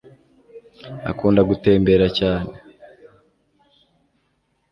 Akunda gutembera cyane